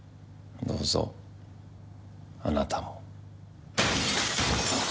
どうぞあなたも。